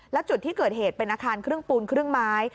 และจุดที่เกิดเหตุเป็นอาคารครึ่งปูนครึ่งไม้